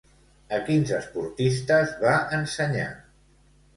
A quins esportistes va ensenyar?